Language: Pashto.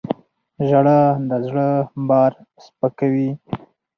• ژړا د زړه بار سپکوي.